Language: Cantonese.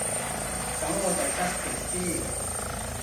噉我就失陪先